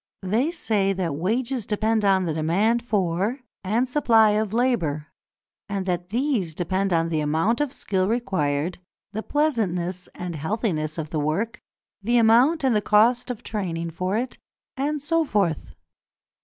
They say that wages depend on the demand for, and supply of, labour, and that these depend on the amount of skill required, the pleasantness and healthiness of the work, the amount and the cost of training for it, and so forth.